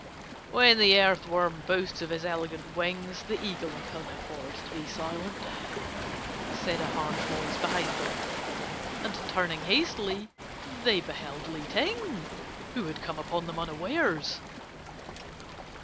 "'When the earth worm boasts of his elegant wings, the eagle can afford to be silent,' said a harsh voice behind them; and turning hastily they beheld Li Ting, who had come upon them unawares.